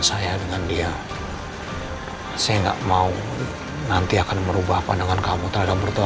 saya akan memberikan dia waktu